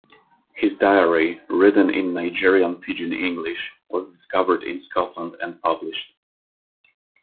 His diary, written in Nigerian Pidgin English, was discovered in Scotland and published.